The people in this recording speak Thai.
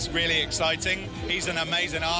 ไปเถอะค่ะไปชมค่ะ